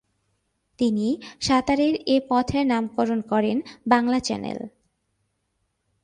তিনি সাঁতারের এ পথের নামকরণ করেন ‘বাংলা চ্যানেল’।